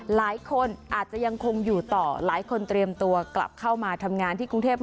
หลายคนอาจจะยังคงอยู่ต่อหลายคนเตรียมตัวกลับเข้ามาทำงานที่กรุงเทพ